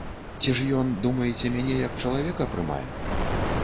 Ці ж ён, думаеце, мяне як чалавека прымае?